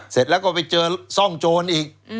เสร็จแล้วก็ไปเจอซ่องโจรอีก